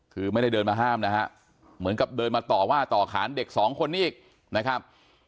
คือไม่ได้เดินมาห้ามนะฮะเหมือนกับเดินมาต่อว่าต่อขานเด็กสองคนนี้อีกนะครับ